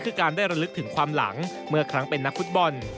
คือการได้ระลึกถึงความหลังเมื่อครั้งเป็นนักฟุตบอล